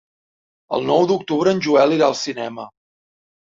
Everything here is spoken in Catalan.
El nou d'octubre en Joel irà al cinema.